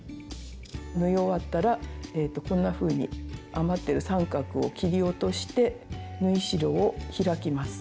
縫い終わったらこんなふうに余ってる三角を切り落として縫い代を開きます。